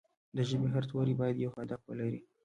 د ژبې هر توری باید یو هدف ولري.